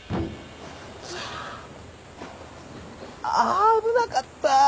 あ危なかった！